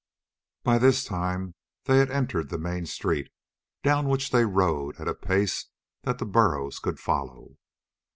By this time they had entered the main street, down which they rode at a pace that the burros could follow.